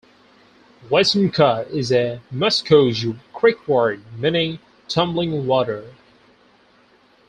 "Wetumka" is a Muscogee Creek word meaning "tumbling water.